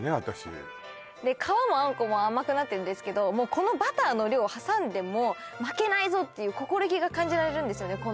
私で皮もあんこも甘くなってるんですけどもうこのバターの量を挟んでも負けないぞっていう心意気が感じられるんですよね